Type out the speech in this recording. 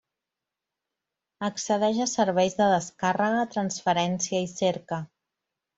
Accedeix a serveis de descàrrega, transferència i cerca.